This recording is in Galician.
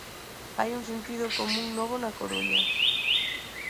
Hai un sentido común novo na Coruña.